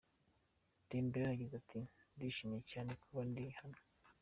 Dembele yagize ati: "Ndishimye cyane kuba ndi hano.